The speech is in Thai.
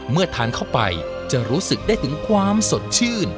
เมื่อทานเข้าไปจะรู้สึกได้ถึงความสดชื่น